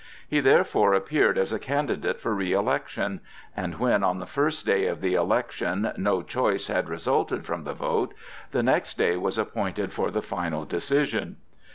He therefore appeared as a candidate for reëlection; and when on the first day of the election no choice had resulted from the vote, the next day was appointed for the final decision.